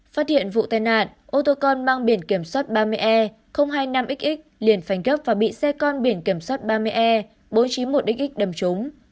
phát hiện vụ tàn nạn ô tô con mang biển kiểm soát ba mươi e hai mươi năm xx liền phánh gấp và bị xe con biển kiểm soát ba mươi e bốn trăm chín mươi một xx đâm trúng